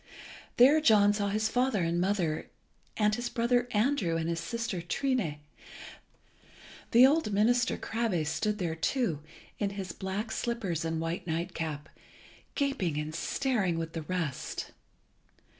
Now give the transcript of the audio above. There John saw his father and mother, and his brother Andrew, and his sister Trine. The old minister Krabbe stood there too, in his black slippers and white nightcap, gaping and staring with the rest.